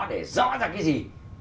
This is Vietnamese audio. để rõ ra cái gì